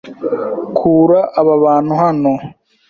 Kura aba bantu hano.